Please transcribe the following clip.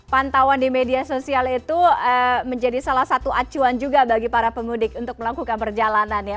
pantauan di media sosial itu menjadi salah satu acuan juga bagi para pemudik untuk melakukan perjalanan ya